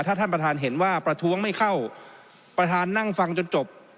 ถ้าท่านประธานเห็นว่าประท้วงไม่เข้าประธานนั่งฟังจนจบ